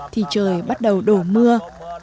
thì trời bắt đầu đổ mưa